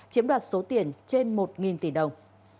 chiếm đặt số tiền trên một tỷ đồng